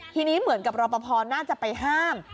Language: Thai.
ทีนี้เหมือนกับรอปภน่าจะไปห้าม